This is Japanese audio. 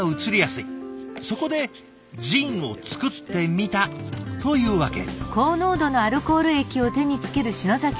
そこでジンを作ってみたというわけ。